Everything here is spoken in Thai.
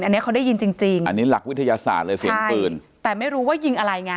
อันนี้เขาได้ยินจริงจริงอันนี้หลักวิทยาศาสตร์เลยเสียงปืนแต่ไม่รู้ว่ายิงอะไรไง